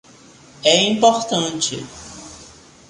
É importante